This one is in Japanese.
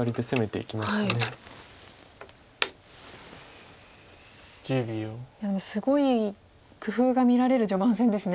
いやでもすごい工夫が見られる序盤戦ですね。